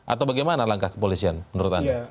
atau bagaimana langkah kepolisian menurut anda